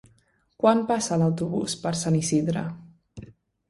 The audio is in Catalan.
Quan passa l'autobús per Sant Isidre?